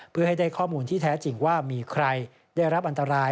เพื่อให้ได้ข้อมูลที่แท้จริงว่ามีใครได้รับอันตราย